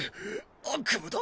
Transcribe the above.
悪夢だ。